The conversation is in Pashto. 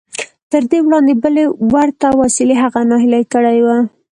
تر دې وړاندې بلې ورته وسیلې هغه ناهیلی کړی و